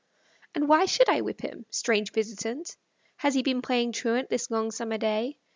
And why should I whip him? Strange visitant, Has he been playing truant this long summer day?